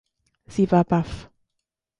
Sie war baff.